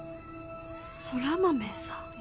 空豆さん？